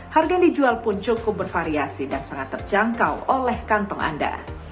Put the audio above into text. harga yang dijual pun cukup bervariasi dan sangat terjangkau oleh kantong anda